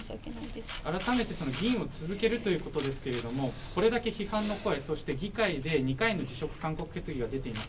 改めて議員を続けるということですけれども、これだけ批判の声、そして議会で２回の辞職勧告決議が出ています。